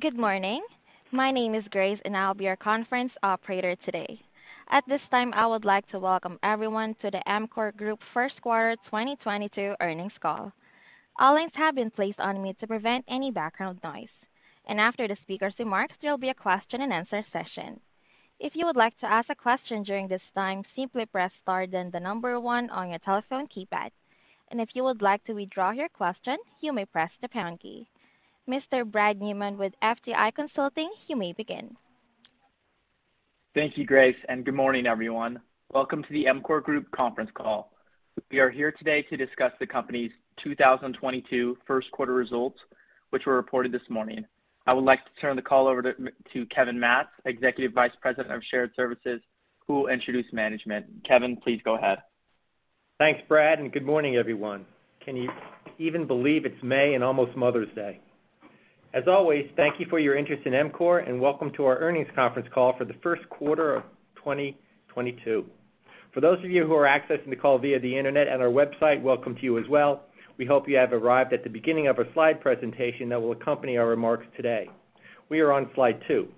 Good morning. My name is Grace, and I'll be your conference operator today. At this time, I would like to Welcome everyone to the EMCOR Group first quarter 2022 earnings call. All lines have been placed on mute to prevent any background noise. After the speakers' remarks, there'll be a question-and-answer session. If you would like to ask a question during this time, simply press star then the number one on your telephone keypad. If you would like to withdraw your question, you may press the pound key. Mr. Brad Newman with FTI Consulting, you may begin. Thank you, Grace, and good morning, everyone. Welcome to the EMCOR Group conference call. We are here today to discuss the company's 2022 first quarter results, which were reported this morning. I would like to turn the call over to Kevin Matz, Executive Vice President of Shared Services, who will introduce management. Kevin, please go ahead. Thanks, Brad, and good morning, everyone. Can you even believe it's May and almost Mother's Day? As always, thank you for your interest in EMCOR, and welcome to our earnings conference call for the first quarter of 2022. For those of you who are accessing the call via the internet at our website, welcome to you as well. We hope you have arrived at the beginning of a slide presentation that will accompany our remarks today. We are on slide two.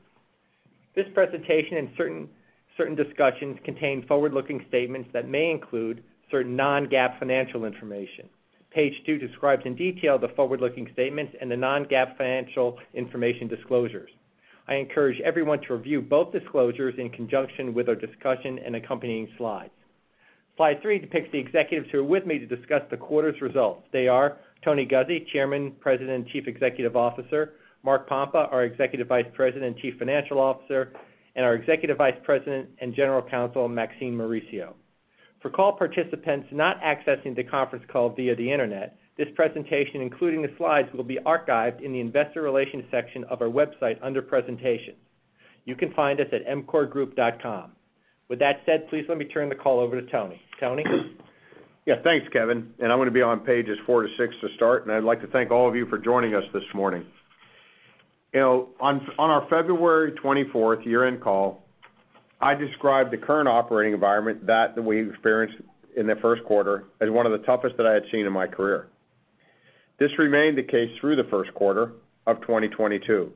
This presentation and certain discussions contain forward-looking statements that may include certain non-GAAP financial information. Page two describes in detail the forward-looking statements and the non-GAAP financial information disclosures. I encourage everyone to review both disclosures in conjunction with our discussion and accompanying slides. Slide three depicts the executives who are with me to discuss the quarter's results. They are Tony Guzzi, Chairman, President, and Chief Executive Officer, Mark Pompa, our Executive Vice President and Chief Financial Officer, and our Executive Vice President and General Counsel, Maxine Mauricio. For call participants not accessing the conference call via the internet, this presentation, including the slides, will be archived in the investor relations section of our website under presentations. You can find us at emcorgroup.com. With that said, please let me turn the call over to Tony. Tony? Yeah. Thanks, Kevin. I'm gonna be on pages four to six to start, and I'd like to thank all of you for joining us this morning. You know, on our February 24th, 2022, year-end call, I described the current operating environment that we've experienced in the first quarter as one of the toughest that I had seen in my career. This remained the case through the first quarter of 2022.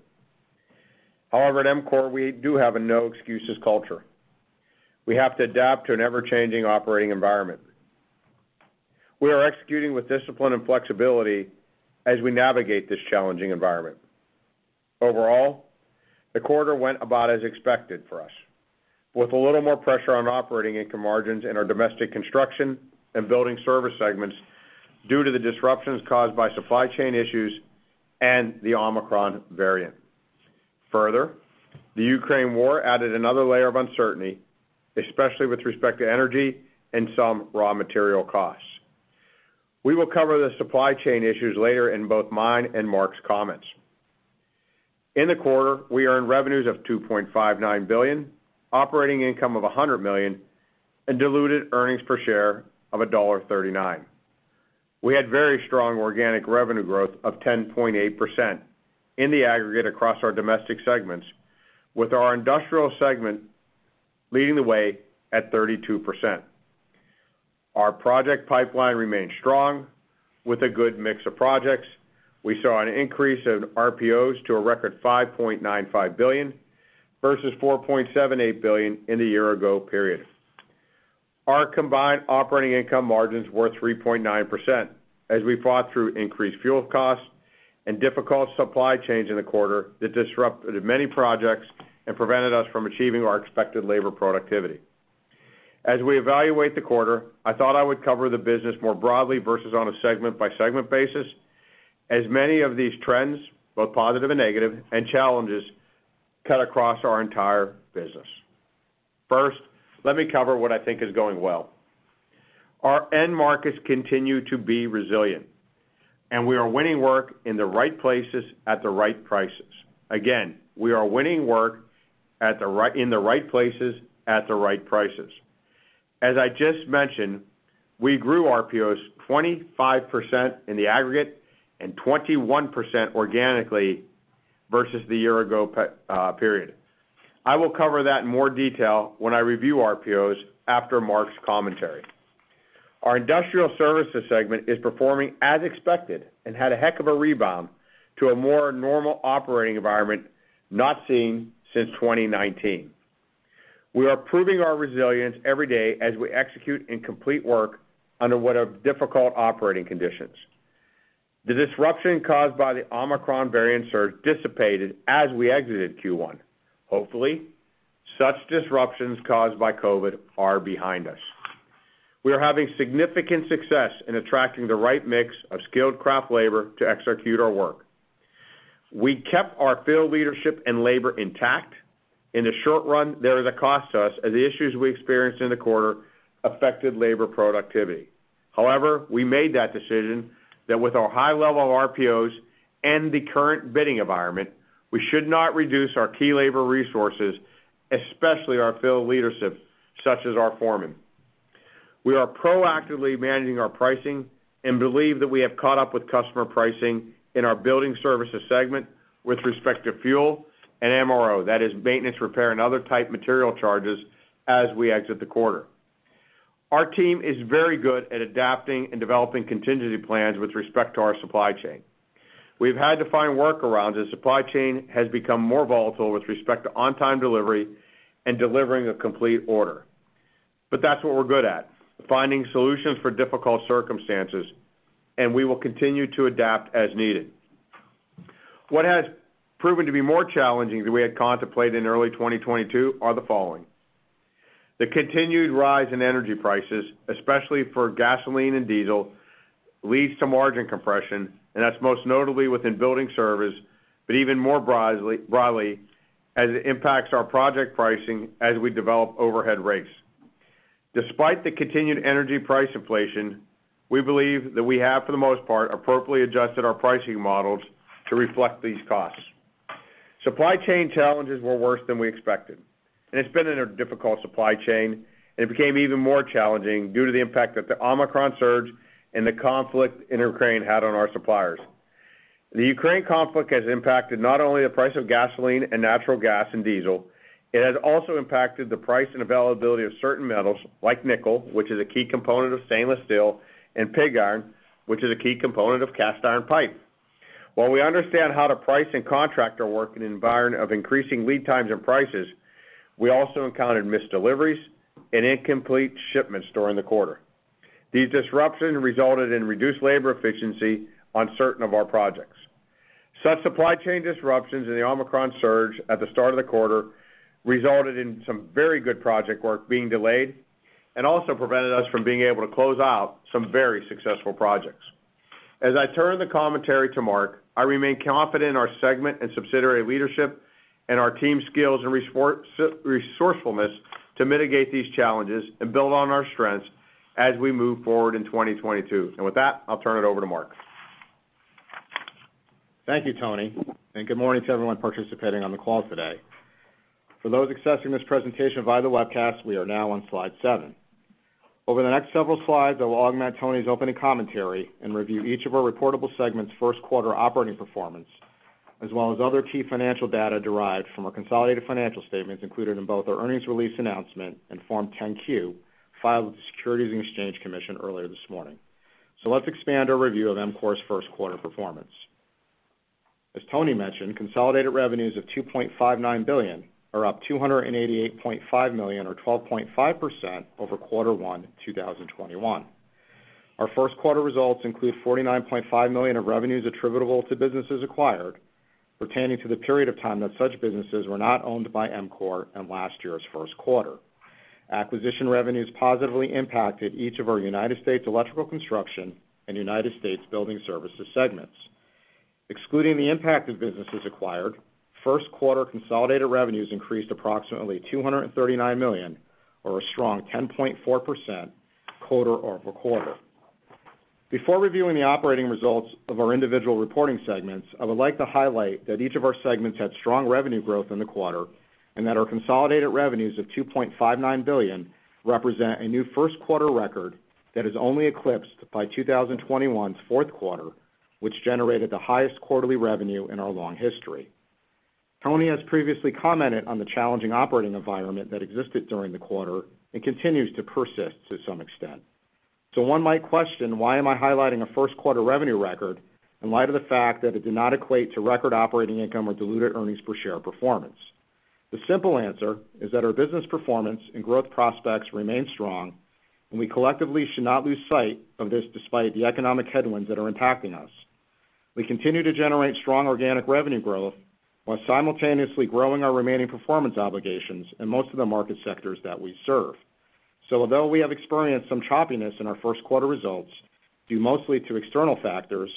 However, at EMCOR, we do have a no-excuses culture. We have to adapt to an ever-changing operating environment. We are executing with discipline and flexibility as we navigate this challenging environment. Overall, the quarter went about as expected for us, with a little more pressure on operating income margins in our domestic construction and building service segments due to the disruptions caused by supply chain issues and the Omicron variant. Further, the Ukraine war added another layer of uncertainty, especially with respect to energy and some raw material costs. We will cover the supply chain issues later in both mine and Mark's comments. In the quarter, we earned revenues of $2.59 billion, operating income of $100 million, and diluted earnings per share of $1.39. We had very strong organic revenue growth of 10.8% in the aggregate across our domestic segments, with our industrial segment leading the way at 32%. Our project pipeline remained strong with a good mix of projects. We saw an increase in RPOs to a record $5.95 billion versus $4.78 billion in the year-ago period. Our combined operating income margins were 3.9%, as we fought through increased fuel costs and difficult supply chains in the quarter that disrupted many projects and prevented us from achieving our expected labor productivity. As we evaluate the quarter, I thought I would cover the business more broadly versus on a segment-by-segment basis, as many of these trends, both positive and negative, and challenges cut across our entire business. First, let me cover what I think is going well. Our end markets continue to be resilient, and we are winning work in the right places at the right prices. Again, we are winning work in the right places at the right prices. As I just mentioned, we grew RPOs 25% in the aggregate and 21% organically versus the year-ago period. I will cover that in more detail when I review RPOs after Mark's commentary. Our industrial services segment is performing as expected and had a heck of a rebound to a more normal operating environment not seen since 2019. We are proving our resilience every day as we execute and complete work under what are difficult operating conditions. The disruption caused by the Omicron variant surge dissipated as we exited Q1. Hopefully, such disruptions caused by COVID are behind us. We are having significant success in attracting the right mix of skilled craft labor to execute our work. We kept our field leadership and labor intact. In the short run, they're the cost to us as the issues we experienced in the quarter affected labor productivity. However, we made that decision that with our high level of RPOs and the current bidding environment, we should not reduce our key labor resources, especially our field leadership, such as our foremen. We are proactively managing our pricing and believe that we have caught up with customer pricing in our building services segment with respect to fuel and MRO, that is maintenance, repair, and other type material charges, as we exit the quarter. Our team is very good at adapting and developing contingency plans with respect to our supply chain. We've had to find workarounds as supply chain has become more volatile with respect to on-time delivery and delivering a complete order. That's what we're good at, finding solutions for difficult circumstances, and we will continue to adapt as needed. What has proven to be more challenging than we had contemplated in early 2022 are the following. The continued rise in energy prices, especially for gasoline and diesel, leads to margin compression, and that's most notably within building service, but even more broadly, as it impacts our project pricing as we develop overhead rates. Despite the continued energy price inflation, we believe that we have, for the most part, appropriately adjusted our pricing models to reflect these costs. Supply chain challenges were worse than we expected, and it's been a difficult supply chain. It became even more challenging due to the impact that the Omicron surge and the conflict in Ukraine had on our suppliers. The Ukraine conflict has impacted not only the price of gasoline and natural gas and diesel, it has also impacted the price and availability of certain metals like nickel, which is a key component of stainless steel, and pig iron, which is a key component of cast iron pipe. While we understand how to price and contract our work in an environment of increasing lead times and prices, we also encountered missed deliveries and incomplete shipments during the quarter. These disruptions resulted in reduced labor efficiency on certain of our projects. Such supply chain disruptions in the Omicron surge at the start of the quarter resulted in some very good project work being delayed and also prevented us from being able to close out some very successful projects. As I turn the commentary to Mark, I remain confident in our segment and subsidiary leadership and our team's skills and resourcefulness to mitigate these challenges and build on our strengths as we move forward in 2022. With that, I'll turn it over to Mark. Thank you, Tony, and good morning to everyone participating on the call today. For those accessing this presentation via the webcast, we are now on slide seven. Over the next several slides, I will augment Tony's opening commentary and review each of our reportable segments' first quarter operating performance, as well as other key financial data derived from our consolidated financial statements included in both our earnings release announcement and Form 10-Q filed with the Securities and Exchange Commission earlier this morning. Let's expand our review of EMCOR's first quarter performance. As Tony mentioned, consolidated revenues of $2.59 billion are up $288.5 million or 12.5% over quarter one 2021. Our first quarter results include $49.5 million of revenues attributable to businesses acquired pertaining to the period of time that such businesses were not owned by EMCOR in last year's first quarter. Acquisition revenues positively impacted each of our United States Electrical Construction and United States Building Services segments. Excluding the impact of businesses acquired, first quarter consolidated revenues increased approximately $239 million or a strong 10.4% quarter-over-quarter. Before reviewing the operating results of our individual reporting segments, I would like to highlight that each of our segments had strong revenue growth in the quarter and that our consolidated revenues of $2.59 billion represent a new first quarter record that is only eclipsed by 2021's fourth quarter, which generated the highest quarterly revenue in our long history. Tony has previously commented on the challenging operating environment that existed during the quarter and continues to persist to some extent. One might question why am I highlighting a first quarter revenue record in light of the fact that it did not equate to record operating income or diluted earnings per share performance. The simple answer is that our business performance and growth prospects remain strong and we collectively should not lose sight of this despite the economic headwinds that are impacting us. We continue to generate strong organic revenue growth while simultaneously growing our remaining performance obligations in most of the market sectors that we serve. Although we have experienced some choppiness in our first quarter results due mostly to external factors,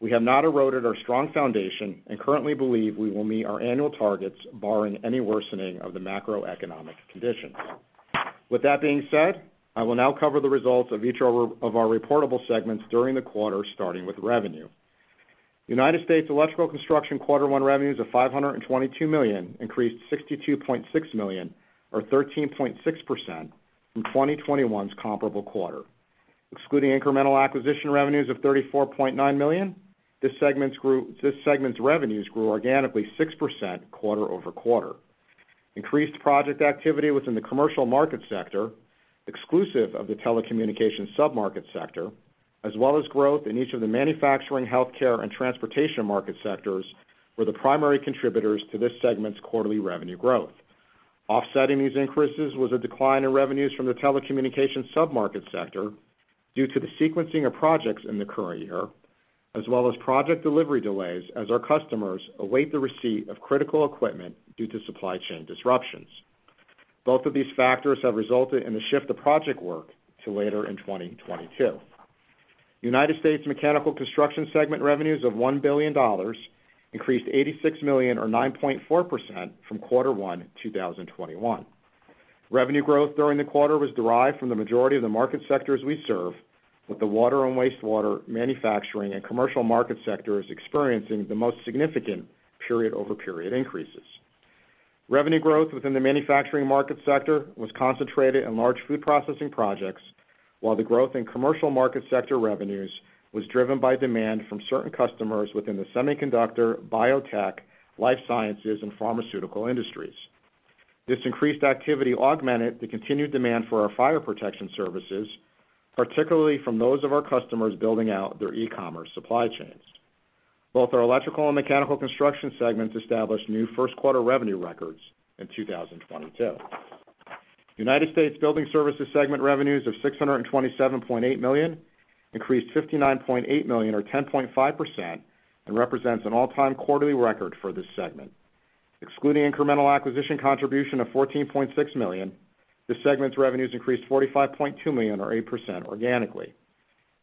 we have not eroded our strong foundation and currently believe we will meet our annual targets barring any worsening of the macroeconomic conditions. With that being said, I will now cover the results of each of our reportable segments during the quarter starting with revenue. United States Electrical Construction quarter one revenues of $522 million increased $62.6 million or 13.6% from 2021's comparable quarter. Excluding incremental acquisition revenues of $34.9 million, this segment's revenues grew organically 6% quarter-over-quarter. Increased project activity within the commercial market sector, exclusive of the telecommunications submarket sector, as well as growth in each of the manufacturing, health care, and transportation market sectors were the primary contributors to this segment's quarterly revenue growth. Offsetting these increases was a decline in revenues from the telecommunications submarket sector due to the sequencing of projects in the current year, as well as project delivery delays as our customers await the receipt of critical equipment due to supply chain disruptions. Both of these factors have resulted in a shift of project work to later in 2022. United States Mechanical Construction segment revenues of $1 billion increased $86 million or 9.4% from quarter one 2021. Revenue growth during the quarter was derived from the majority of the market sectors we serve, with the water and wastewater manufacturing and commercial market sectors experiencing the most significant period over period increases. Revenue growth within the manufacturing market sector was concentrated in large food processing projects. While the growth in commercial market sector revenues was driven by demand from certain customers within the semiconductor, biotech, life sciences, and pharmaceutical industries. This increased activity augmented the continued demand for our fire protection services, particularly from those of our customers building out their e-commerce supply chains. Both our electrical and mechanical construction segments established new first quarter revenue records in 2022. United States Building Services segment revenues of $627.8 million increased $59.8 million or 10.5% and represents an all-time quarterly record for this segment. Excluding incremental acquisition contribution of $14.6 million, this segment's revenues increased $45.2 million or 8% organically.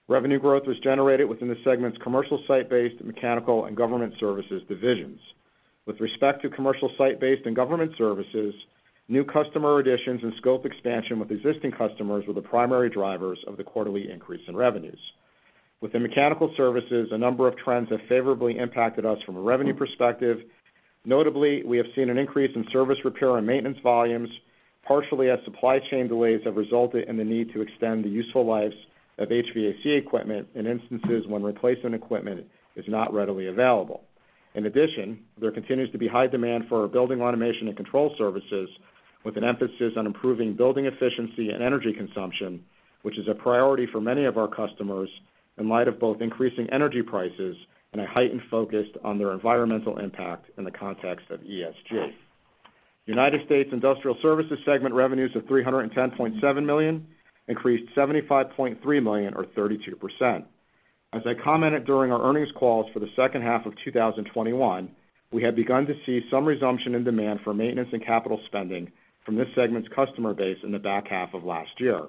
Revenue growth was generated within the segment's commercial site-based mechanical and government services divisions. With respect to commercial site-based and government services, new customer additions and scope expansion with existing customers were the primary drivers of the quarterly increase in revenues. Within mechanical services, a number of trends have favorably impacted us from a revenue perspective. Notably, we have seen an increase in service repair and maintenance volumes, partially as supply chain delays have resulted in the need to extend the useful lives of HVAC equipment in instances when replacement equipment is not readily available. In addition, there continues to be high demand for our building automation and control services, with an emphasis on improving building efficiency and energy consumption, which is a priority for many of our customers in light of both increasing energy prices and a heightened focus on their environmental impact in the context of ESG. United States Industrial Services segment revenues of $310.7 million increased $75.3 million or 32%. As I commented during our earnings calls for the second half of 2021, we had begun to see some resumption in demand for maintenance and capital spending from this segment's customer base in the back half of last year.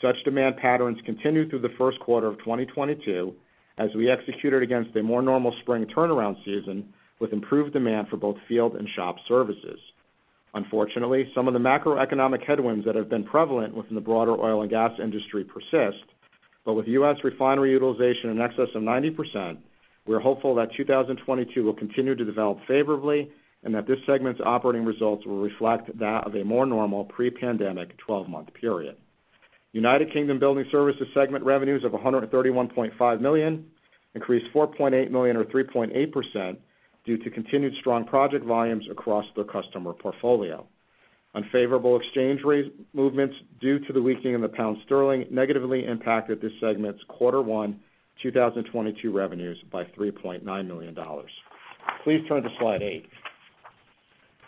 Such demand patterns continued through the first quarter of 2022, as we executed against a more normal spring turnaround season with improved demand for both field and shop services. Unfortunately, some of the macroeconomic headwinds that have been prevalent within the broader oil and gas industry persist. With U.S. refinery utilization in excess of 90%, we're hopeful that 2022 will continue to develop favorably and that this segment's operating results will reflect that of a more normal pre-pandemic twelve-month period. United Kingdom Building Services segment revenues of $131.5 million increased $4.8 million or 3.8% due to continued strong project volumes across their customer portfolio. Unfavorable exchange rate movements due to the weakening of the pound sterling negatively impacted this segment's quarter one 2022 revenues by $3.9 million. Please turn to slide eight.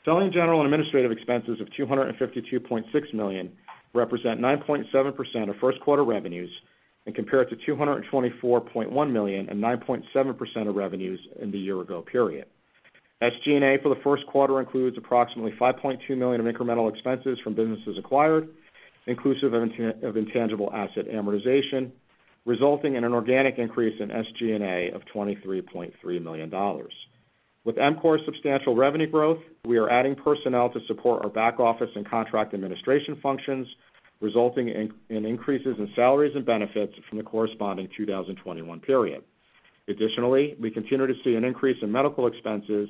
Selling, general, and administrative expenses of $252.6 million represent 9.7% of first quarter revenues and compared to $224.1 million and 9.7% of revenues in the year-ago period. SG&A for the first quarter includes approximately $5.2 millions of incremental expenses from businesses acquired, inclusive of intangible asset amortization, resulting in an organic increase in SG&A of $23.3 million. With EMCOR's substantial revenue growth, we are adding personnel to support our back-office and contract administration functions, resulting in increases in salaries and benefits from the corresponding 2021 period. Additionally, we continue to see an increase in medical expenses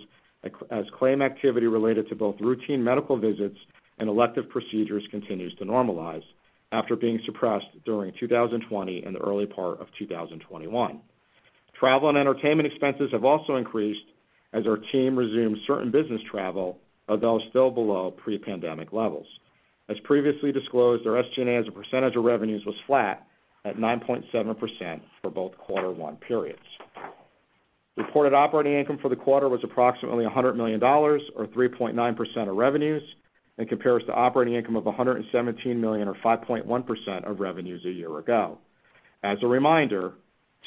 as claim activity related to both routine medical visits and elective procedures continue to normalize after being suppressed during 2020 and the early part of 2021. Travel and entertainment expenses have also increased as our team resumes certain business travel, although still below pre-pandemic levels. As previously disclosed, our SG&A as a percentage of revenues was flat at 9.7% for both quarter one periods. Reported operating income for the quarter was approximately $100 million or 3.9% of revenues and compares to operating income of $117 million or 5.1% of revenues a year ago. As a reminder,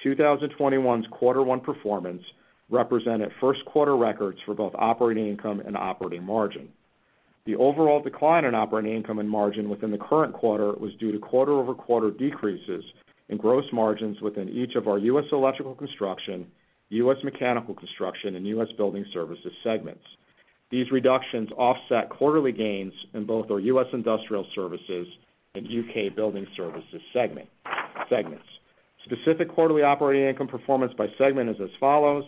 2021's quarter one performance represented first quarter records for both operating income and operating margin. The overall decline in operating income and margin within the current quarter was due to quarter-over-quarter decreases in gross margins within each of our U.S. Electrical Construction, U.S. Mechanical Construction, and U.S. Building Services segments. These reductions offset quarterly gains in both our U.S. Industrial Services and U.K. Building Services segments. Specific quarterly operating income performance by segment is as follows.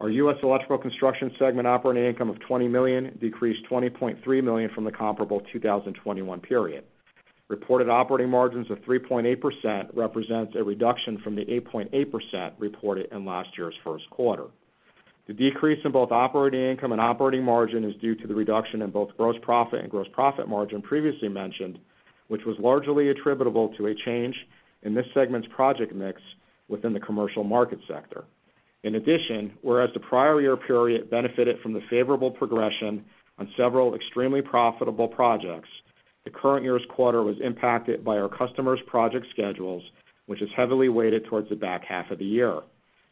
Our U.S. Electrical Construction segment operating income of $20 million decreased $20.3 million from the comparable 2021 period. Reported operating margins of 3.8% represents a reduction from the 8.8% reported in last year's first quarter. The decrease in both operating income and operating margin is due to the reduction in both gross profit and gross profit margin previously mentioned, which was largely attributable to a change in this segment's project mix within the commercial market sector. In addition, whereas the prior year period benefited from the favorable progression on several extremely profitable projects, the current year's quarter was impacted by our customers' project schedules, which is heavily weighted towards the back half of the year.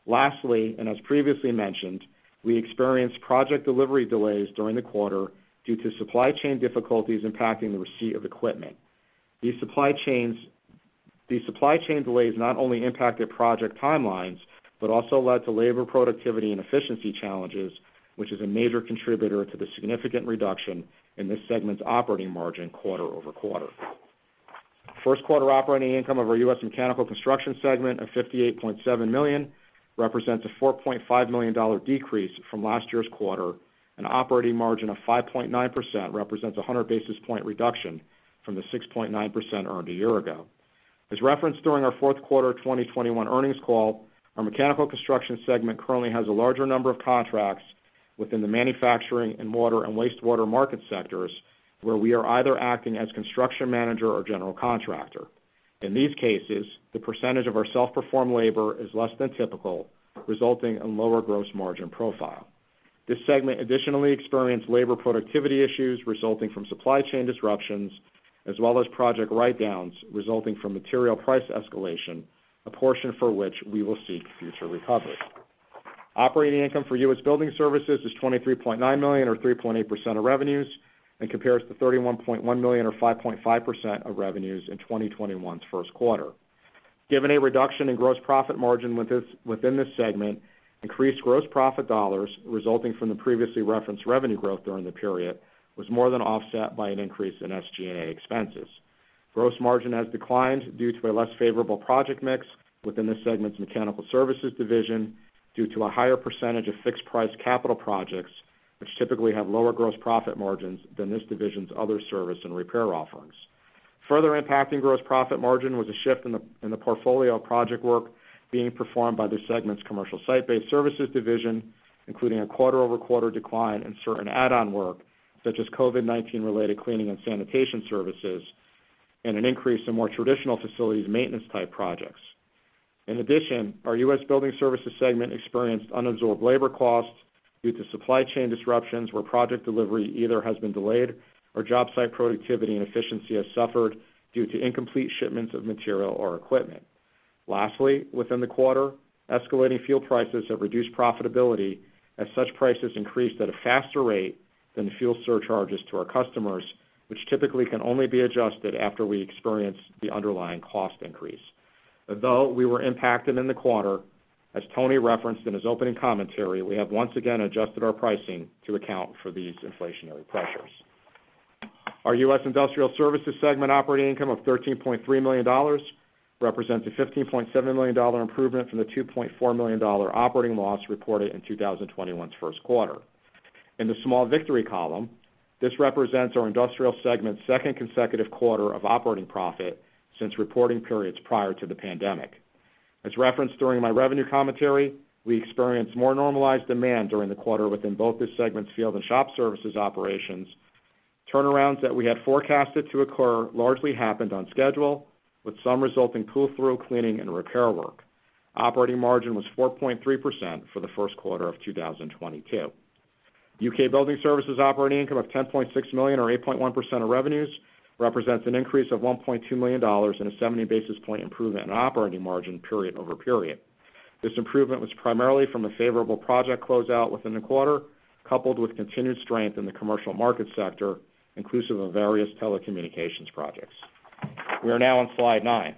Lastly, and as previously mentioned, we experienced project delivery delays during the quarter due to supply chain difficulties impacting the receipt of equipment. These supply chain delays not only impacted project timelines, but also led to labor productivity and efficiency challenges, which is a major contributor to the significant reduction in this segment's operating margin quarter-over-quarter. First quarter operating income of our US Mechanical Construction segment of $58.7 million represents a $4.5 million decrease from last year's quarter, and operating margin of 5.9% represents a 100-basis points reduction from the 6.9% earned a year ago. As referenced during our fourth quarter 2021 earnings call, our mechanical construction segment currently has a larger number of contracts within the manufacturing and water and wastewater market sectors, where we are either acting as construction manager or general contractor. In these cases, the percentage of our self-performed labor is less than typical, resulting in lower gross margin profile. This segment additionally experienced labor productivity issues resulting from supply chain disruptions as well as project write-downs resulting from material price escalation, a portion for which we will seek future recovery. Operating income for U.S. Building Services is $23.9 million or 3.8% of revenues and compares to $31.1 million or 5.5% of revenues in 2021's first quarter. Given a reduction in gross profit margin within this segment, increased gross profit dollars resulting from the previously referenced revenue growth during the period was more than offset by an increase in SG&A expenses. Gross margin has declined due to a less favorable project mix within this segment's mechanical services division due to a higher percentage of fixed price capital projects, which typically have lower gross profit margins than this division's other service and repair offerings. Further impacting gross profit margin was a shift in the portfolio of project work being performed by the segment's commercial site-based services division, including a quarter-over-quarter decline in certain add-on work, such as COVID-19 related cleaning and sanitation services, and an increase in more traditional facilities maintenance type projects. In addition, our U.S. Building Services segment experienced unabsorbed labor costs due to supply chain disruptions where project delivery either has been delayed or job site productivity and efficiency has suffered due to incomplete shipments of material or equipment. Lastly, within the quarter, escalating fuel prices have reduced profitability as such prices increased at a faster rate than the fuel surcharges to our customers, which typically can only be adjusted after we experience the underlying cost increase. Although we were impacted in the quarter, as Tony referenced in his opening commentary, we have once again adjusted our pricing to account for these inflationary pressures. Our U.S. Industrial Services segment operating income of $13.3 million represents a $15.7 million improvement from the $2.4 million operating loss reported in 2021's first quarter. In the small victory column, this represents our industrial segment's second consecutive quarter of operating profit since reporting periods prior to the pandemic. As referenced during my revenue commentary, we experienced more normalized demand during the quarter within both this segment's field and shop services operations. Turnarounds that we had forecasted to occur largely happened on schedule, with some resulting pull-through cleaning and repair work. Operating margin was 4.3% for the first quarter of 2022. U.K. Building Services operating income of $10.6 million or 8.1% of revenues represents an increase of $1.2 million and a 70-basis points improvement in operating margin period-over-period. This improvement was primarily from a favorable project closeout within the quarter, coupled with continued strength in the commercial market sector, inclusive of various telecommunications projects. We are now on slide nine.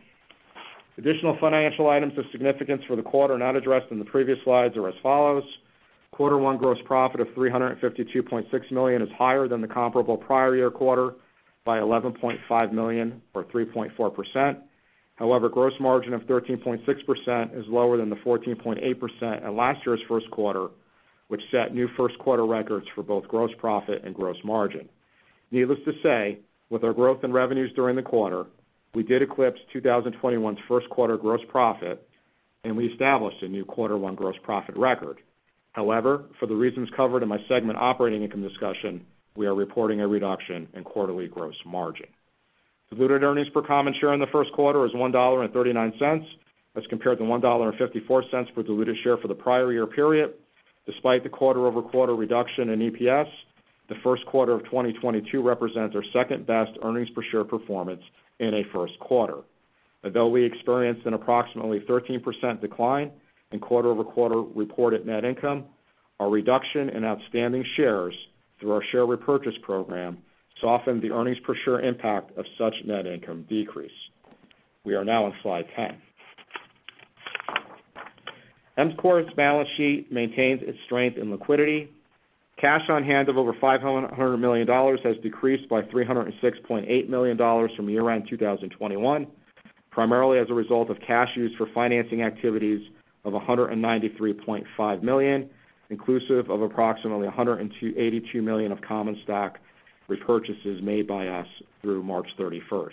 Additional financial items of significance for the quarter not addressed in the previous slides are as follows. Quarter one gross profit of $352.6 million is higher than the comparable prior year quarter by $11.5 million or 3.4%. However, gross margin of 13.6% is lower than the 14.8% at last year's first quarter, which set new first-quarter records for both gross profit and gross margin. Needless to say, with our growth in revenues during the quarter, we did eclipse 2021's first quarter gross profit, and we established a new quarter one gross profit record. However, for the reasons covered in my segment operating income discussion, we are reporting a reduction in quarterly gross margin. Diluted earnings per common share in the first quarter is $1.39 as compared to $1.54 per diluted share for the prior year period. Despite the quarter-over-quarter reduction in EPS, the first quarter of 2022 represents our second-best earnings per share performance in a first quarter. Although we experienced an approximately 13% decline in quarter-over-quarter reported net income, our reduction in outstanding shares through our share repurchase program softened the earnings per share impact of such net income decrease. We are now on slide 10. EMCOR's balance sheet maintains its strength in liquidity. Cash on hand of over $500 million has decreased by $306.8 million from year-end 2021, primarily as a result of cash used for financing activities of $193.5 million, inclusive of approximately $82 million of common stock repurchases made by us through March 31st, 2022.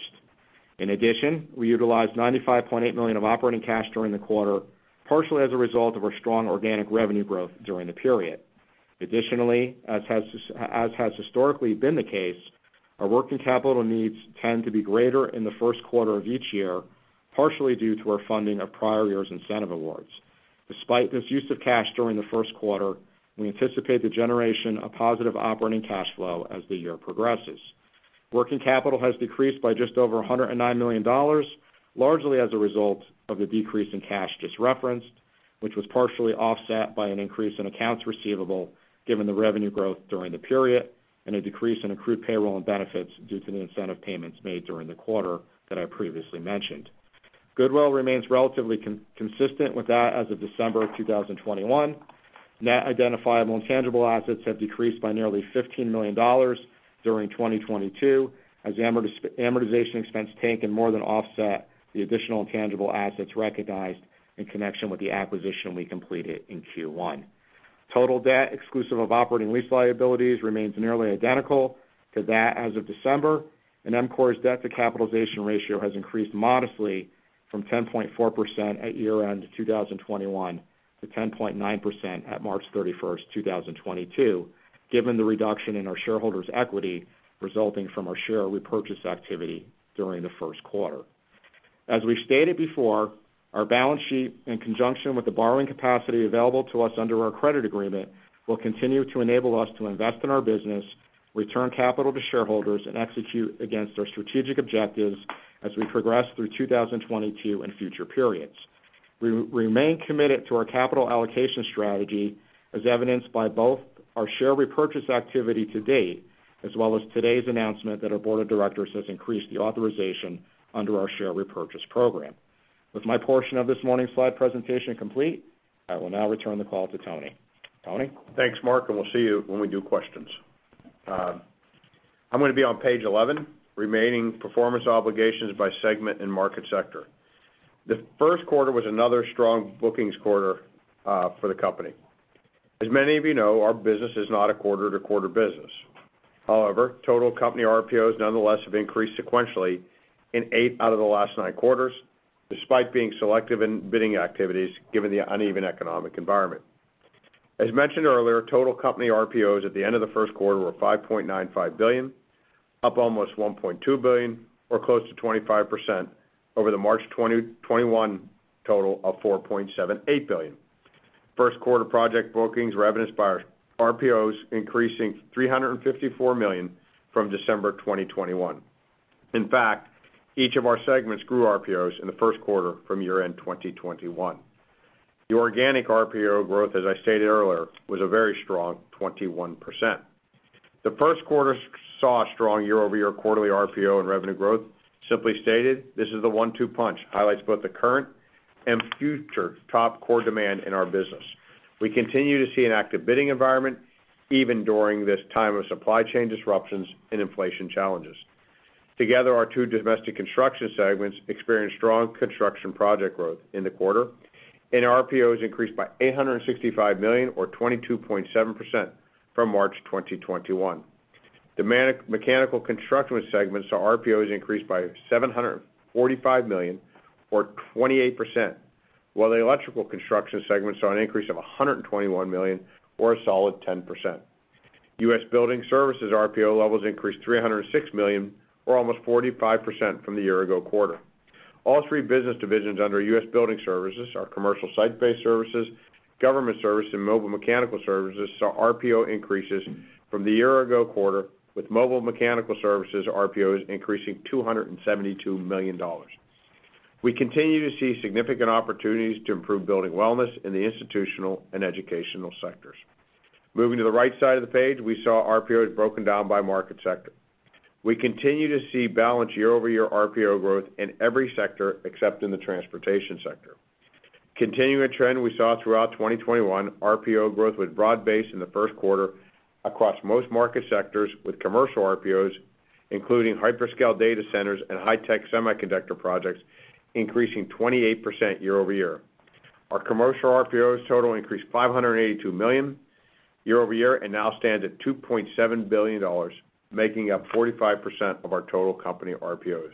In addition, we utilized $95.8 million of operating cash during the quarter, partially as a result of our strong organic revenue growth during the period. Additionally, as has historically been the case, our working capital needs tend to be greater in the first quarter of each year, partially due to our funding of prior year's incentive awards. Despite this use of cash during the first quarter, we anticipate the generation of positive operating cash flow as the year progresses. Working capital has decreased by just over $109 million, largely as a result of the decrease in cash just referenced, which was partially offset by an increase in accounts receivable given the revenue growth during the period, and a decrease in accrued payroll and benefits due to the incentive payments made during the quarter that I previously mentioned. Goodwill remains relatively consistent with that as of December 2021. Net identifiable and tangible assets have decreased by nearly $15 million during 2022 as the amortization expense taken more than offset the additional intangible assets recognized in connection with the acquisition we completed in Q1. Total debt exclusive of operating lease liabilities remains nearly identical to that, as of December, and EMCOR's debt to capitalization ratio has increased modestly from 10.4% at year-end 2021 to 10.9% at March 31st, 2022, given the reduction in our shareholders' equity resulting from our share repurchase activity during the first quarter. As we stated before, our balance sheet, in conjunction with the borrowing capacity available to us under our credit agreement, will continue to enable us to invest in our business, return capital to shareholders and execute against our strategic objectives as we progress through 2022 and future periods. We remain committed to our capital allocation strategy as evidenced by both our share repurchase activity to date, as well as today's announcement that our board of directors has increased the authorization under our share repurchase program. With my portion of this morning's slide presentation complete, I will now return the call to Tony. Tony? Thanks, Mark, and we'll see you when we do questions. I'm gonna be on page 11, remaining performance obligations by segment and market sector. The first quarter was another strong booking quarter for the company. As many of you know, our business is not a quarter-to-quarter business. However, total company RPOs nonetheless have increased sequentially in eight out of the last nine quarters, despite being selective in bidding activities given the uneven economic environment. As mentioned earlier, total company RPOs at the end of the first quarter were $5.95 billion, up almost $1.2 billion or close to 25% over the March 2021 total of $4.78 billion. First quarter project bookings revenues by RPOs increasing $354 million from December 2021. In fact, each of our segments grew RPOs in the first quarter from year-end 2021. The organic RPO growth, as I stated earlier, was a very strong 21%. The first quarter saw a strong year-over-year quarterly RPO and revenue growth. Simply stated, this is the one-two punch. Highlights both the current and future top core demand in our business. We continue to see an active bidding environment even during this time of supply chain disruptions and inflation challenges. Together, our two domestic construction segments experienced strong construction project growth in the quarter, and RPOs increased by $865 million or 22.7% from March 2021. The mechanical construction segments saw RPOs increased by $745 million or 28%, while the electrical construction segments saw an increase of $121 million or a solid 10%. U.S. Building Services RPO levels increased $306 million or almost 45% from the year ago quarter. All three business divisions under U.S. Building Services, our commercial site-based services, government service and mobile mechanical services, saw RPO increases from the year ago quarter, with mobile mechanical services RPOs increasing $272 million. We continue to see significant opportunities to improve building wellness in the institutional and educational sectors. Moving to the right side of the page, we saw RPOs broken down by market sector. We continue to see balanced year-over-year RPO growth in every sector except in the transportation sector. Continuing a trend we saw throughout 2021, RPO growth was broad-based in the first quarter across most market sectors with commercial RPOs, including hyperscale data centers and high-tech semiconductor projects, increasing 28% year-over-year. Our commercial RPOs total increased $582 million year-over-year and now stands at $2.7 billion, making up 45% of our total company RPOs.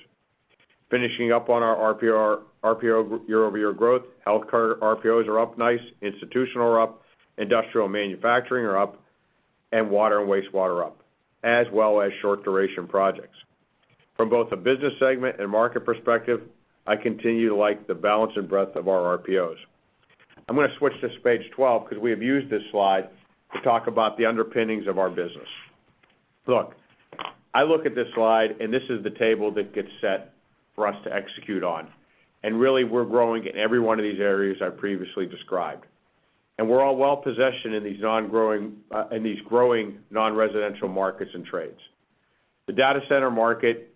Finishing up on our RPO year-over-year growth, healthcare RPOs are up nicely, institutional are up, industrial and manufacturing are up, and water and wastewater are up, as well as short duration projects. From both a business segment and market perspective, I continue to like the balance and breadth of our RPOs. I'm gonna switch to page 12 cause we have used this slide to talk about the underpinnings of our business. Look, I look at this slide, and this is the table that gets set for us to execute on, and really, we're growing in every one of these areas I previously described. We're all well-positioned in these growing non-residential markets and trades. The data center market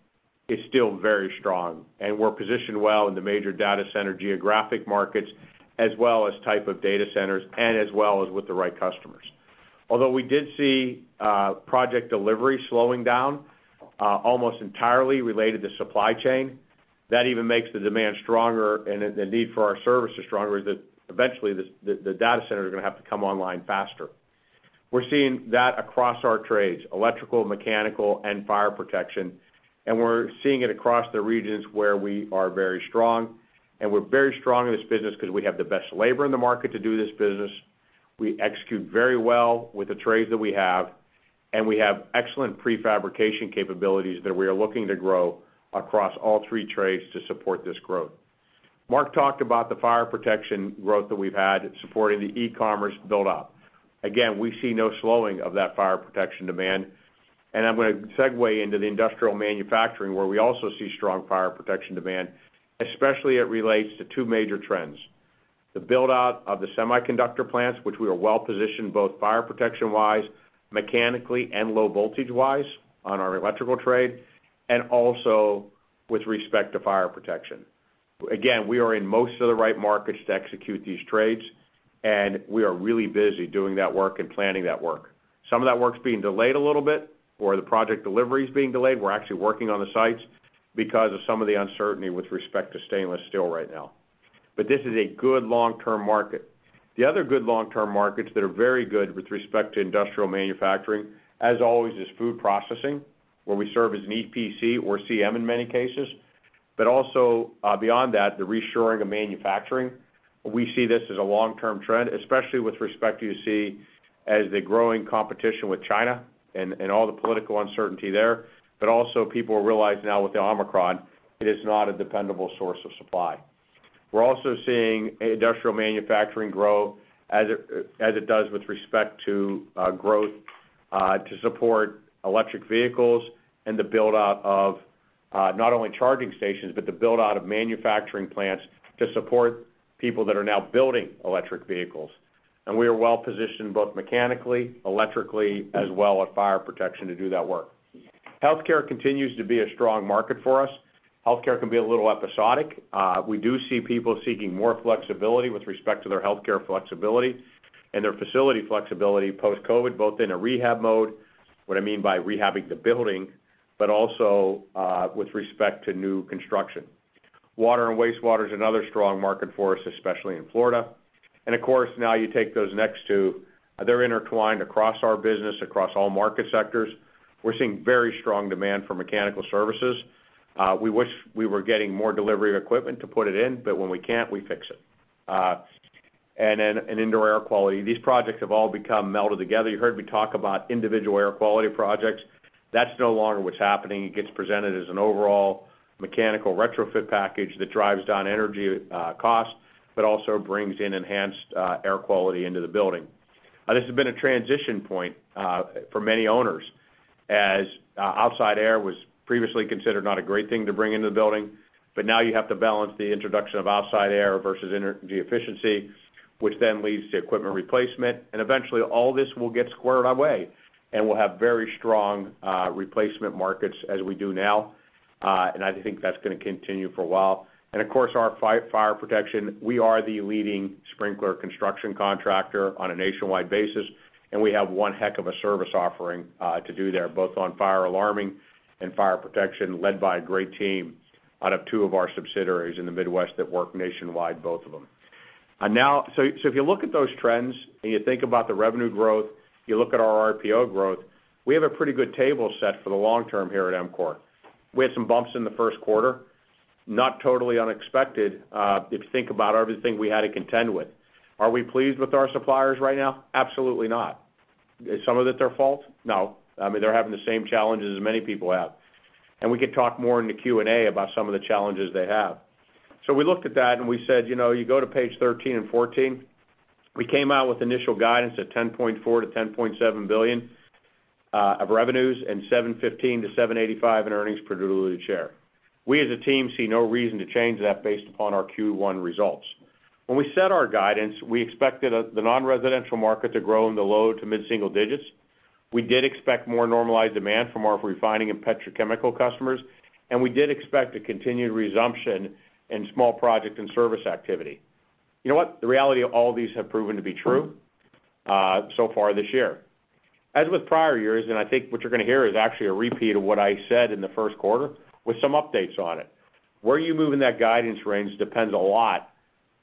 is still very strong, and we're positioned well in the major data center geographic markets as well as type of data centers and as well as with the right customers. Although we did see project delivery slowing down almost entirely related to supply chain, that even makes the demand stronger and the need for our services stronger is that eventually this the data centers are gonna have to come online faster. We're seeing that across our trades, electrical, mechanical, and fire protection, and we're seeing it across the regions where we are very strong, and we're very strong in this business cause we have the best labor in the market to do this business. We execute very well with the trades that we have, and we have excellent prefabrication capabilities that we are looking to grow across all three trades to support this growth. Mark talked about the fire protection growth that we've had supporting the e-commerce build-up. Again, we see no slowing of that fire protection demand, and I'm gonna segue into the industrial manufacturing, where we also see strong fire protection demand, especially it relates to two major trends, the build-out of the semiconductor plants, which we are well-positioned, both fire protection-wise, mechanically and low voltage-wise on our electrical trade, and also with respect to fire protection. Again, we are in most of the right markets to execute these trades, and we are really busy doing that work and planning that work. Some of that work's being delayed a little bit, or the project delivery is being delayed. We're actually working on the sites because of some of the uncertainty with respect to stainless steel right now. This is a good long-term market. The other good long-term markets that are very good with respect to industrial manufacturing, as always, is food processing, where we serve as an EPC or CM in many cases, but also, beyond that, the reshoring of manufacturing. We see this as a long-term trend, especially with respect to the U.S. as the growing competition with China and all the political uncertainty there. Also, people realize now with the Omicron, it is not a dependable source of supply. We're also seeing industrial manufacturing grow as it does with respect to growth to support electric vehicles and the build-out of not only charging stations, but the build-out of manufacturing plants to support people that are now building electric vehicles. We are well-positioned both mechanically, electrically, as well as fire protection to do that work. Healthcare continues to be a strong market for us. Healthcare can be a little episodic. We do see people seeking more flexibility with respect to their healthcare flexibility and their facility flexibility post-COVID, both in a rehab mode, what I mean by rehabbing the building, but also with respect to new construction. Water and wastewater is another strong market for us, especially in Florida. Of course, now you take those next two, they're intertwined across our business, across all market sectors. We're seeing very strong demand for mechanical services. We wish we were getting more delivery of equipment to put it in, but when we can't, we fix it. In indoor air quality, these projects have all become melded together. You heard me talk about individual air quality projects. That's no longer what's happening. It gets presented as an overall mechanical retrofit package that drives down energy costs, but also brings in enhanced air quality into the building. This has been a transition point for many owners as outside air was previously considered not a great thing to bring into the building, but now you have to balance the introduction of outside air versus energy efficiency, which then leads to equipment replacement. Eventually, all this will get squared away, and we'll have very strong replacement markets as we do now, and I think that's gonna continue for a while. Of course, our fire protection, we are the leading sprinkler construction contractor on a nationwide basis, and we have one heck of a service offering to do there, both on fire alarming and fire protection, led by a great team out of two of our subsidiaries in the Midwest that work nationwide, both of them. If you look at those trends and you think about the revenue growth, you look at our RPO growth, we have a pretty good table set for the long term here at EMCOR. We had some bumps in the first quarter, not totally unexpected, if you think about everything we had to contend with. Are we pleased with our suppliers right now? Absolutely not. Is some of it their fault? No. I mean, they're having the same challenges as many people have. We could talk more in the Q&A about some of the challenges they have. We looked at that and we said, you know, you go to page 13 and 14. We came out with initial guidance at $10.4 billion-$10.7 billion of revenues and $7.15-$7.85 in earnings per diluted share. We as a team see no reason to change that based upon our Q1 results. When we set our guidance, we expected the non-residential market to grow in the low- to mid-single digits. We did expect more normalized demand from our refining and petrochemical customers, and we did expect a continued resumption in small project and service activity. You know what? The reality of all these have proven to be true so far this year. As with prior years, I think what you're gonna hear is actually a repeat of what I said in the first quarter with some updates on it. Where you move in that guidance range depends a lot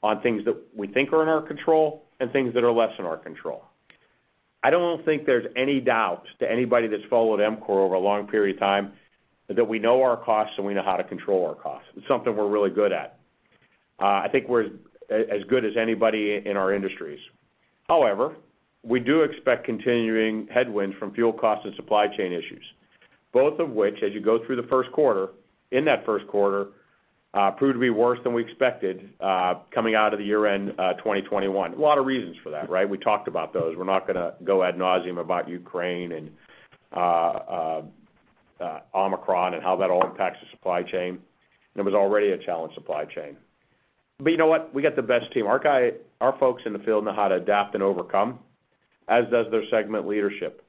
on things that we think are in our control and things that are less in our control. I don't think there's any doubt to anybody that's followed EMCOR over a long period of time that we know our costs and we know how to control our costs. It's something we're really good at. I think we're as good as anybody in our industries. However, we do expect continuing headwinds from fuel costs and supply chain issues, both of which, as you go through the first quarter, in that first quarter, proved to be worse than we expected, coming out of the year-end, 2021. A lot of reasons for that, right? We talked about those. We're not going to go ad nauseam about Ukraine and Omicron and how that all impacts the supply chain. It was already a challenged supply chain. You know what? We got the best team. Our folks in the field know how to adapt and overcome, as does their segment leadership.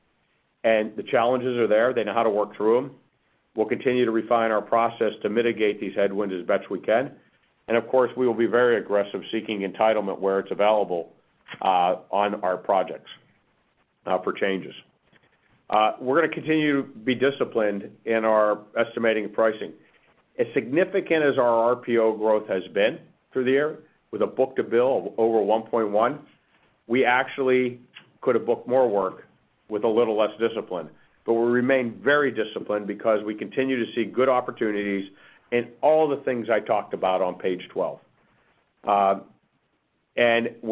The challenges are there. They know how to work through them. We'll continue to refine our process to mitigate these headwinds as best we can. Of course, we will be very aggressive seeking entitlement where it's available, on our projects for changes. We're gonna continue to be disciplined in our estimating and pricing. As significant as our RPO growth has been through the year with a book-to-bill of over 1.1, we actually could have booked more work with a little less discipline. But we remain very disciplined because we continue to see good opportunities in all the things I talked about on page 12. We're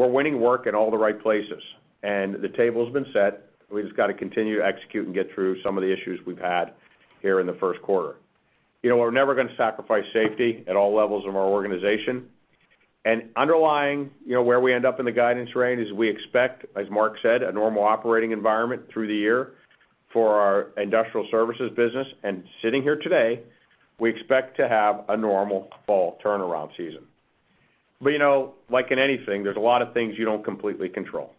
winning work in all the right places. The table's been set. We've just got to continue to execute and get through some of the issues we've had here in the first quarter. You know, we're never gonna sacrifice safety at all levels of our organization. Underlying, you know, where we end up in the guidance range is we expect, as Mark said, a normal operating environment through the year for our industrial services business. Sitting here today, we expect to have a normal fall turnaround season. You know, like in anything, there's a lot of things you don't completely control.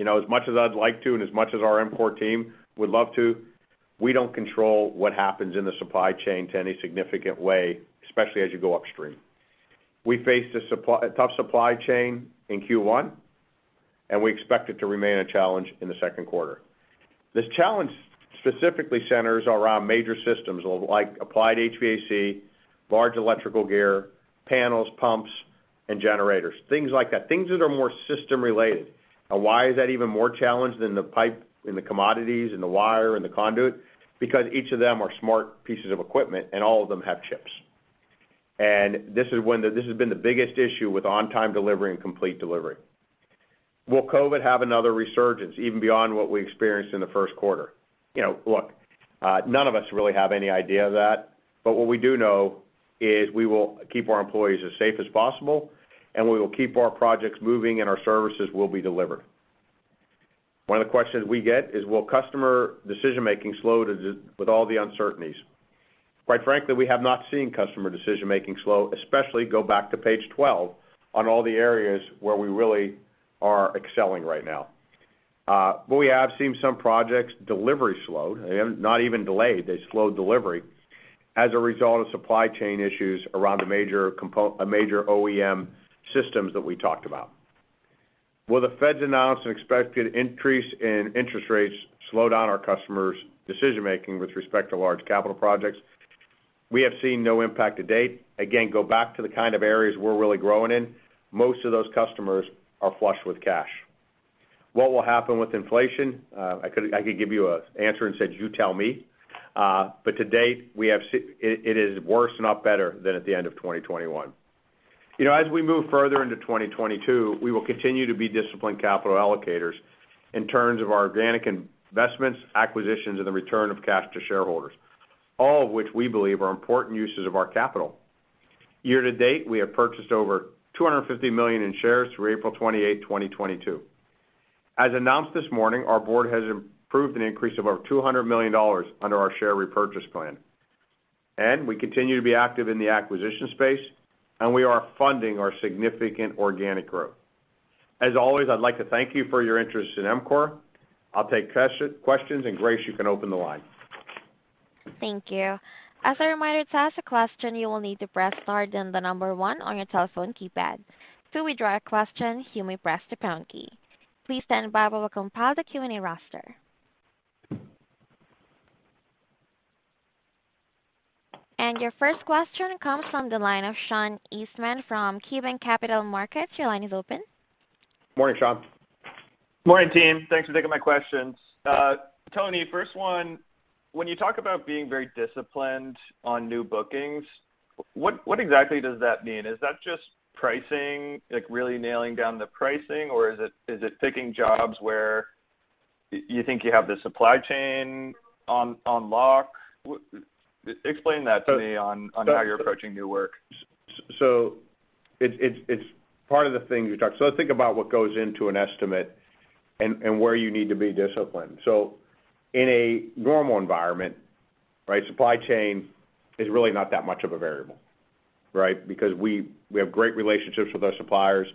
You know, as much as I'd like to, and as much as our EMCOR team would love to, we don't control what happens in the supply chain to any significant way, especially as you go upstream. We faced a tough supply chain in Q1. We expect it to remain a challenge in the second quarter. This challenge specifically centers around major systems like applied HVAC, large electrical gear, panels, pumps, and generators, things like that, things that are more system related. Now why is that even more challenged than the pipe and the commodities and the wire and the conduit? Because each of them are smart pieces of equipment, and all of them have chips. This has been the biggest issue with on-time delivery and complete delivery. Will COVID have another resurgence even beyond what we experienced in the first quarter? You know, look, none of us really have any idea of that, but what we do know is we will keep our employees as safe as possible, and we will keep our projects moving, and our services will be delivered. One of the questions we get is will customer decision-making slow down with all the uncertainties? Quite frankly, we have not seen customer decision-making slow, especially go back to page 12 on all the areas where we really are excelling right now. We have seen some projects' delivery slowed. They have not even delayed. They slowed delivery as a result of supply chain issues around a major OEM system that we talked about. Will the Fed's announced and expected increase in interest rates slow down our customers' decision-making with respect to large capital projects? We have seen no impact to date. Again, go back to the kind of areas we're really growing in. Most of those customers are flush with cash. What will happen with inflation? I could give you an answer and say, "You tell me." To date, we have seen it is worse, not better, than at the end of 2021. You know, as we move further into 2022, we will continue to be disciplined capital allocators in terms of our organic investments, acquisitions, and the return of cash to shareholders, all of which we believe are important uses of our capital. Year to date, we have purchased over $250 million in shares through April 28, 2022. As announced this morning, our board has approved an increase of over $200 million under our share repurchase plan. We continue to be active in the acquisition space, and we are funding our significant organic growth. As always, I'd like to thank you for your interest in EMCOR. I'll take questions, and Grace, you can open the line. Thank you. As a reminder, to ask a question, you will need to press star then the number one on your telephone keypad. To withdraw your question, you may press the pound key. Please stand by while we compile the Q&A roster. Your first question comes from the line of Sean Eastman from KeyBanc Capital Markets. Your line is open. Morning, Sean. Morning, team. Thanks for taking my questions. Tony, first one, when you talk about being very disciplined on new bookings, what exactly does that mean? Is that just pricing, like, really nailing down the pricing, or is it picking jobs where you think you have the supply chain on lock? Explain that to me on how you're approaching new work. It's part of the things we talked. Let's think about what goes into an estimate and where you need to be disciplined. In a normal environment, right, supply chain is really not that much of a variable, right? Because we have great relationships with our suppliers.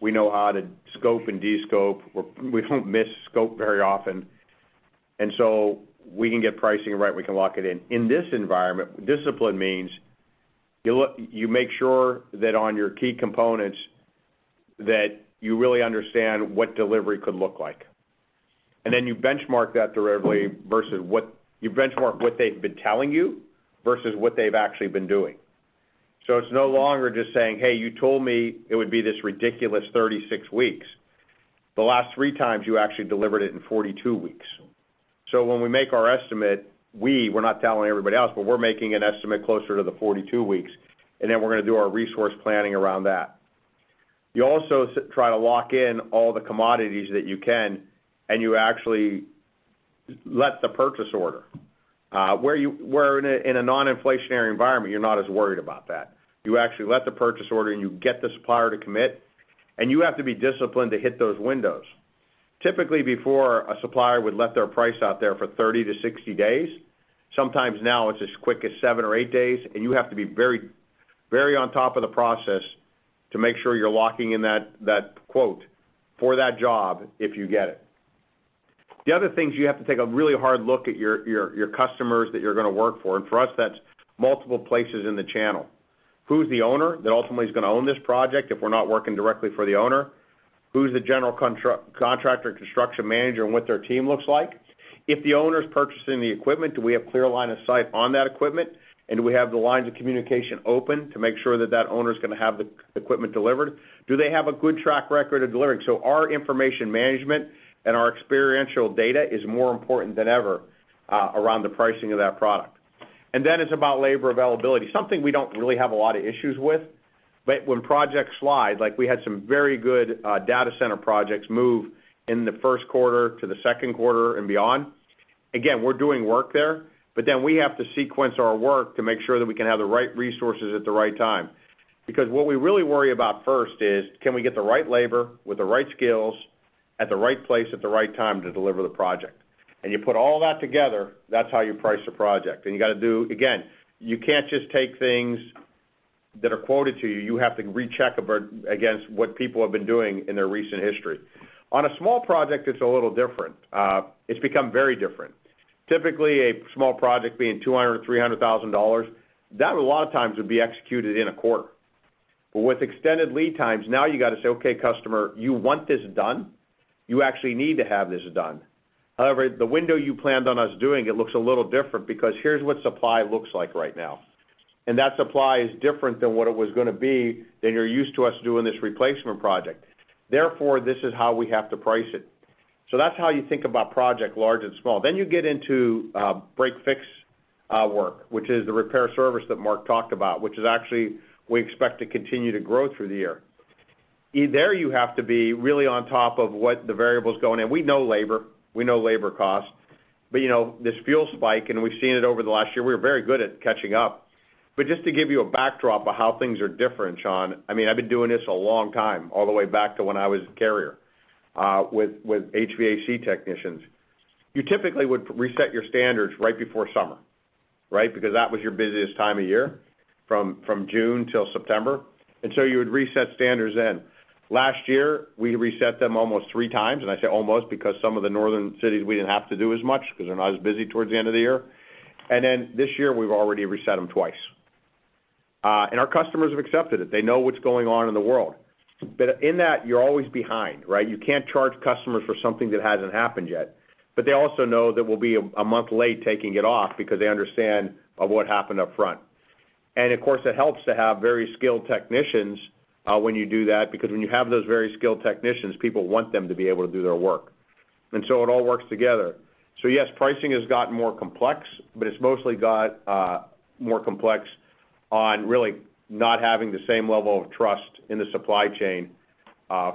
We know how to scope and descope, or we don't miss scope very often. We can get pricing right; we can lock it in. In this environment, discipline means you make sure that on your key components that you really understand what delivery could look like. Then you benchmark that directly versus what they've been telling you versus what they've actually been doing. It's no longer just saying, "Hey, you told me it would be this ridiculous 36 weeks. The last 3x, you actually delivered it in 42 weeks." When we make our estimate, we're not telling everybody else, but we're making an estimate closer to the 42 weeks, and then we're gonna do our resource planning around that. You also try to lock in all the commodities that you can, and you actually let the purchase order. In a non-inflationary environment, you're not as worried about that. You actually let the purchase order, and you get the supplier to commit, and you have to be disciplined to hit those windows. Typically, before, a supplier would let their price out there for 30 to 60 days. Sometimes now it's as quick as seven or eight days, and you have to be very, very on top of the process to make sure you're locking in that quote for that job if you get it. The other things, you have to take a really hard look at your customers that you're gonna work for, and for us, that's multiple places in the channel. Who's the owner that ultimately is gonna own this project if we're not working directly for the owner? Who's the general contractor, construction manager and what their team looks like? If the owner's purchasing the equipment, do we have clear line of sight on that equipment? Do we have the lines of communication open to make sure that that owner's gonna have the equipment delivered? Do they have a good track record of delivering? Our information management and our experiential data is more important than ever around the pricing of that product. Then it's about labor availability, something we don't really have a lot of issues with. When projects slide, like we had some very good data center projects move in the first quarter to the second quarter and beyond. Again, we're doing work there, but then we have to sequence our work to make sure that we can have the right resources at the right time. Because what we really worry about first is, can we get the right labor with the right skills at the right place at the right time to deliver the project? You put all that together, that's how you price a project. You gotta do. Again, you can't just take things that are quoted to you. You have to recheck against what people have been doing in their recent history. On a small project, it's a little different. It's become very different. Typically, a small project being $200,000-$300,000, that a lot of times would be executed in a quarter. With extended lead times, now you got to say, "Okay, customer, you want this done? You actually need to have this done. However, the window you planned on us doing it looks a little different because here's what supply looks like right now. That supply is different than what it was gonna be than you're used to us doing this replacement project. Therefore, this is how we have to price it. That's how you think about project large and small. You get into break-fix work, which is the repair service that Mark talked about, which is actually we expect to continue to grow through the year. There, you have to be really on top of what the variables going in. We know labor, we know labor costs. You know, this fuel spike, and we've seen it over the last year, we were very good at catching up. Just to give you a backdrop of how things are different, Sean, I mean, I've been doing this a long time, all the way back to when I was a carrier with HVAC technicians. You typically would reset your standards right before summer, right? Because that was your busiest time of year from June till September. You would reset standards then. Last year, we reset them almost 3x, and I say almost because some of the northern cities we didn't have to do as much because they're not as busy towards the end of the year. This year, we've already reset them twice. Our customers have accepted it. They know what's going on in the world. In that, you're always behind, right? You can't charge customers for something that hasn't happened yet. They also know that we'll be a month late taking it off because they understand what happened up front. Of course, it helps to have very skilled technicians when you do that, because when you have those very skilled technicians, people want them to be able to do their work. It all works together. Yes, pricing has gotten more complex, but it's mostly got more complex on really not having the same level of trust in the supply chain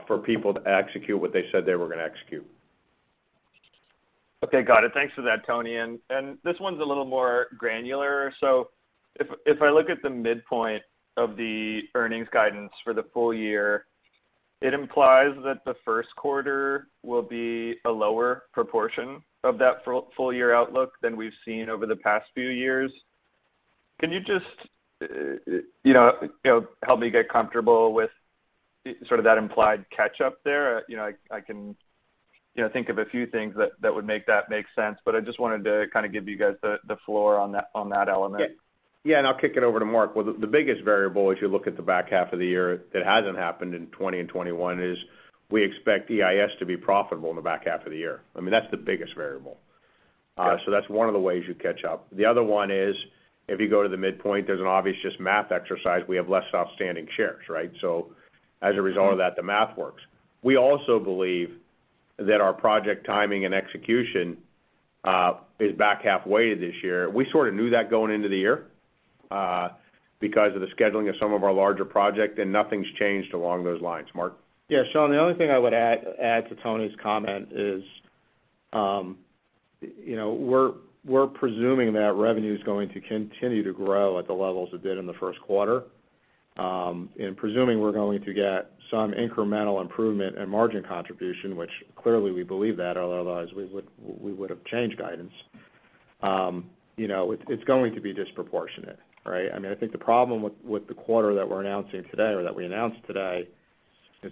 for people to execute what they said they were gonna execute. Okay. Got it. Thanks for that, Tony. This one's a little more granular. If I look at the midpoint of the earnings guidance for the full year, it implies that the first quarter will be a lower proportion of that full year outlook than we've seen over the past few years. Can you just you know help me get comfortable with sort of that implied catch-up there? You know, I can you know think of a few things that would make that make sense, but I just wanted to kind of give you guys the floor on that element. Yeah. Yeah, I'll kick it over to Mark. Well, the biggest variable, as you look at the back half of the year that hasn't happened in 2020 and 2021 is we expect EIS to be profitable in the back half of the year. I mean, that's the biggest variable. So that's one of the ways you catch up. The other one is, if you go to the midpoint, there's an obvious just math exercise. We have less outstanding shares, right? So as a result of that, the math works. We also believe that our project timing and execution is back half weighted this year. We sort of knew that going into the year, because of the scheduling of some of our larger project, and nothing's changed along those lines. Mark? Yeah, Sean, the only thing I would add to Tony's comment is, you know, we're presuming that revenue is going to continue to grow at the levels it did in the first quarter, presuming we're going to get some incremental improvement and margin contribution, which clearly we believe that, otherwise we would have changed guidance. You know, it's going to be disproportionate, right? I mean, I think the problem with the quarter that we're announcing today or that we announced today is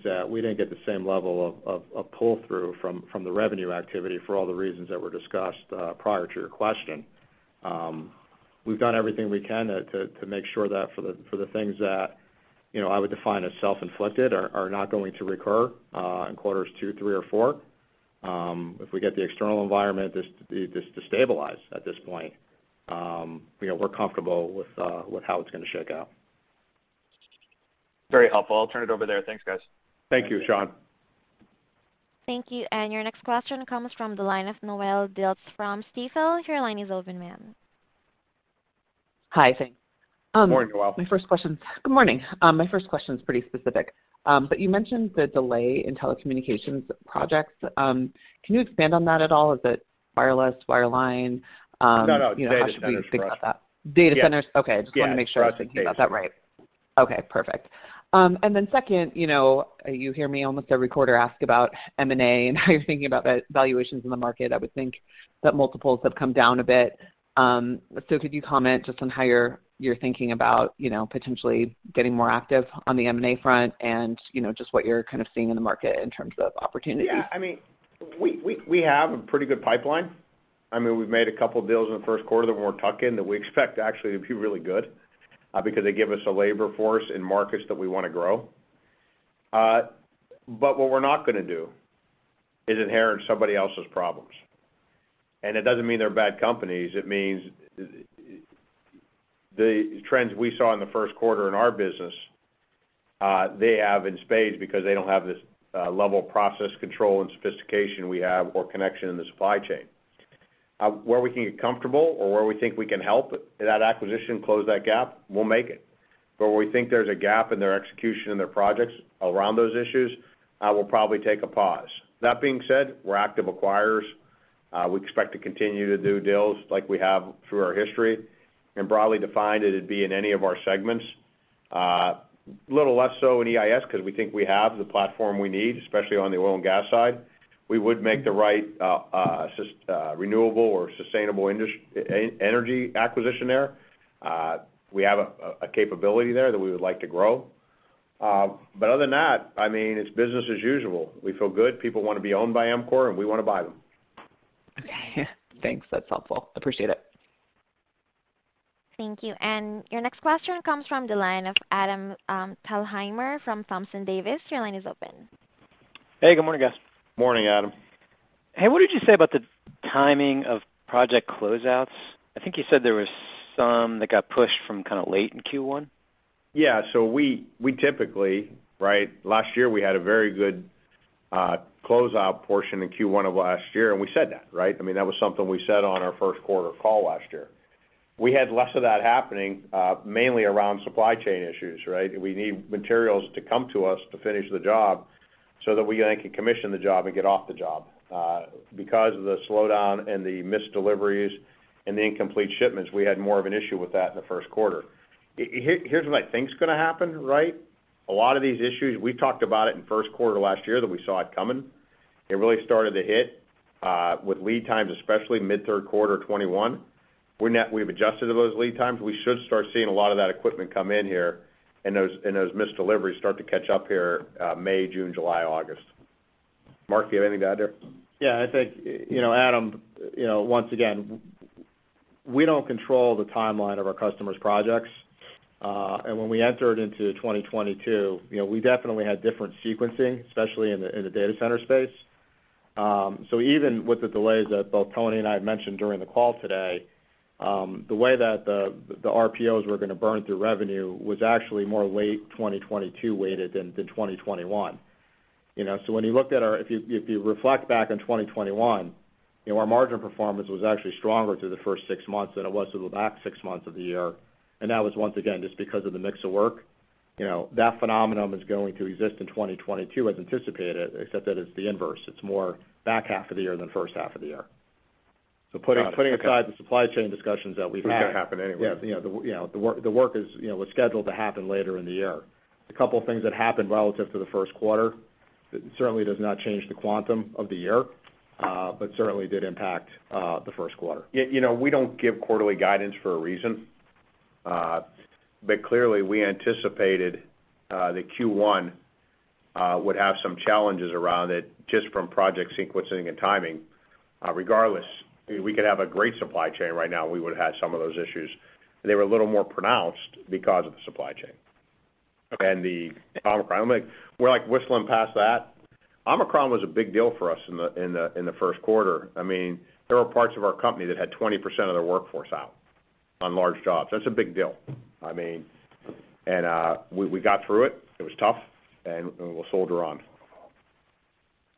that we didn't get the same level of pull-through from the revenue activity for all the reasons that were discussed prior to your question. We've done everything we can to make sure that for the things that, you know, I would define as self-inflicted are not going to recur in quarters two, three, or four. If we get the external environment just to stabilize at this point, you know, we're comfortable with how it's gonna shake out. Very helpful. I'll turn it over there. Thanks, guys. Thank you, Sean. Thank you. Your next question comes from the line of Noelle Dilts from Stifel. Your line is open, ma'am. Hi, thanks. Good morning, Noelle. Good morning. My first question is pretty specific. You mentioned the delay in telecommunications projects. Can you expand on that at all? Is it wireless, wireline? No, no. Data centers. How should we think about that? Data centers? Yes. Okay. Yes. Just wanted to make sure I was thinking about that right. Okay, perfect. Second, you know, you hear me almost every quarter ask about M&A and how you're thinking about the valuations in the market. I would think that multiples have come down a bit. Could you comment just on how you're thinking about, you know, potentially getting more active on the M&A front and, you know, just what you're kind of seeing in the market in terms of opportunities? Yeah. I mean, we have a pretty good pipeline. I mean, we've made a couple tuck-in deals in the first quarter that we expect actually to be really good, because they give us a labor force in markets that we want to grow. What we're not going to do is inherit somebody else's problems. It doesn't mean they're bad companies. It means the trends we saw in the first quarter in our business; they have in spades because they don't have this level of process control and sophistication we have or connection in the supply chain. Where we can get comfortable or where we think we can help in that acquisition close that gap, we'll make it. Where we think there's a gap in their execution and their projects around those issues, we'll probably take a pause. That being said, we're active acquirers. We expect to continue to do deals like we have through our history. Broadly defined, it'd be in any of our segments. Little less so in EIS cause we think we have the platform we need, especially on the oil and gas side. We would make the right renewable or sustainable industrial energy acquisition there. We have a capability there that we would like to grow. But other than that, I mean, it's business as usual. We feel good. People want to be owned by EMCOR, and we want to buy them. Okay. Thanks. That's helpful. Appreciate it. Thank you. Your next question comes from the line of Adam Thalhimer from Thompson Davis & Co. Your line is open. Hey, good morning, guys. Morning, Adam. Hey, what did you say about the timing of project closeouts? I think you said there was some that got pushed from kinda late in Q1. We typically, right? Last year, we had a very good closeout portion in Q1 of last year, and we said that, right? I mean, that was something we said on our first quarter call last year. We had less of that happening mainly around supply chain issues, right? We need materials to come to us to finish the job so that we then can commission the job and get off the job. Because of the slowdown and the missed deliveries and the incomplete shipments, we had more of an issue with that in the first quarter. Here's what I think's gonna happen, right? A lot of these issues, we talked about it in first quarter last year that we saw it coming. It really started to hit with lead times, especially mid third quarter 2021. We've adjusted to those lead times. We should start seeing a lot of that equipment come in here, and those missed deliveries start to catch up here, May, June, July, August. Mark, do you have anything to add there? Yeah. I think, you know, Adam, you know, once again, we don't control the timeline of our customers' projects. When we entered into 2022, you know, we definitely had different sequencing, especially in the data center space. Even with the delays that both Tony and I have mentioned during the call today, the way that the RPOs were gonna burn through revenue was actually more late 2022-weighted than 2021, you know? If you reflect back on 2021, you know, our margin performance was actually stronger through the first six months than it was through the last six months of the year. That was once again, just because of the mix of work. You know that phenomenon is going to exist in 2022 as anticipated, except that it's the inverse. It's more back half of the year than first half of the year. Putting aside the supply chain discussions that we've had. Which would happen anyway. Yeah. You know, the work was scheduled to happen later in the year. A couple things that happened relative to the first quarter. It certainly does not change the quantum of the year, but certainly did impact the first quarter. Yeah, you know, we don't give quarterly guidance for a reason. Clearly, we anticipated that Q1 would have some challenges around it just from project sequencing and timing. Regardless, we could have a great supply chain right now. We would've had some of those issues. They were a little more pronounced because of the supply chain. Okay. The Omicron. I'm like, we're like whistling past that. Omicron was a big deal for us in the first quarter. I mean, there were parts of our company that had 20% of their workforce out on large jobs. That's a big deal. I mean, we got through it. It was tough, and we'll soldier on.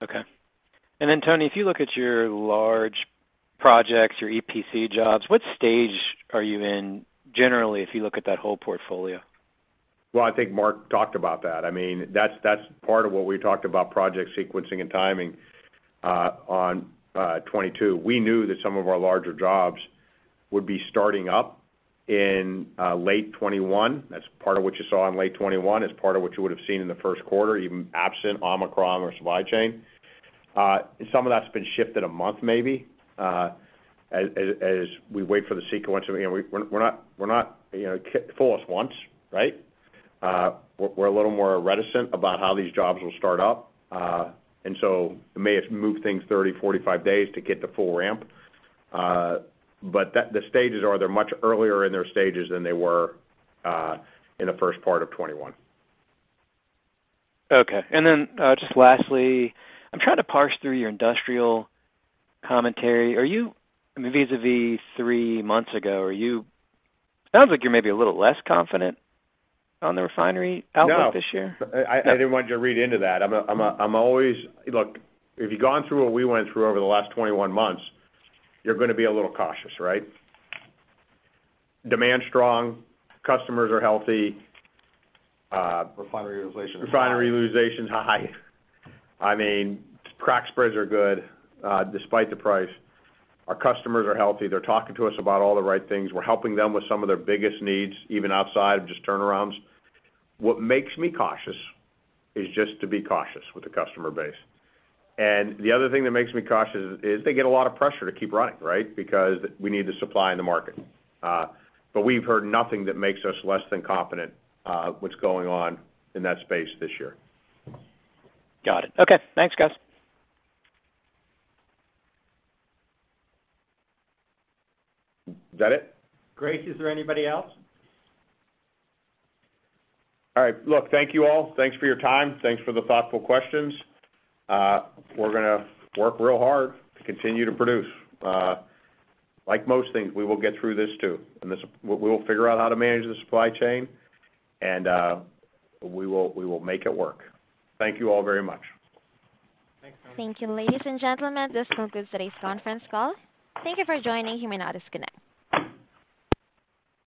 Okay. Tony, if you look at your large projects, your EPC jobs, what stage are you in generally if you look at that whole portfolio? Well, I think Mark talked about that. I mean, that's part of what we talked about project sequencing and timing on 2022. We knew that some of our larger jobs would be starting up in late 2021. That's part of what you saw in late 2021. It's part of what you would've seen in the first quarter, even absent Omicron or supply chain. Some of that's been shifted a month maybe, as we wait for the sequence. You know, we're not, you know, fool us once, right? We're a little more reticent about how these jobs will start up. It may have moved things 30, 45 days to get to full ramp. But that the stages are much earlier in their stages than they were in the first part of 2021. Okay. Just lastly, I'm trying to parse through your industrial commentary. Are you, I mean, vis-a-vis three months ago, are you? Sounds like you're maybe a little less confident on the refinery output this year? No. No? I didn't want you to read into that. I'm always. Look, if you've gone through what we went through over the last 21 months, you're gonna be a little cautious, right? Demands strong. Customers are healthy. Refinery utilization is high. Refinery utilization's high. I mean, crack spreads are good, despite the price. Our customers are healthy. They're talking to us about all the right things. We're helping them with some of their biggest needs, even outside of just turnarounds. What makes me cautious is just to be cautious with the customer base. The other thing that makes me cautious is they get a lot of pressure to keep running, right? Because we need the supply in the market. We've heard nothing that makes us less than confident, what's going on in that space this year. Got it. Okay. Thanks, guys. Is that it? Grace, is there anybody else? All right. Look, thank you all. Thanks for your time. Thanks for the thoughtful questions. We're gonna work real hard to continue to produce. Like most things, we will get through this too. We will figure out how to manage the supply chain, and we will make it work. Thank you all very much. Thanks. Thank you, ladies and gentlemen. This concludes today's conference call. Thank you for joining. You may now disconnect.